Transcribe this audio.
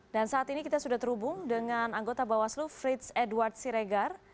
dan saat ini kita sudah terhubung dengan anggota bawaslu fritz edward siregar